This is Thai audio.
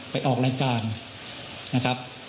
ไปออกรายการนะครับ